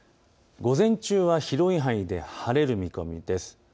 午前中は広い範囲で晴れる見込みです。